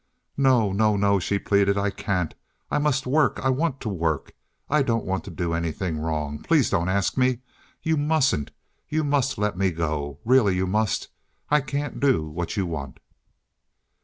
"No, no, no," she pleaded. "I can't. I must work. I want to work. I don't want to do anything wrong. Please don't ask me. You mustn't. You must let me go. Really you must. I can't do what you want."